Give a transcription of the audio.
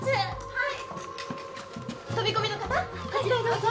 はい。